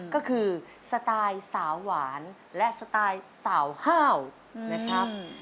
ก็คือสไตล์สาวหวานและสไตล์สาวห้าวนะครับ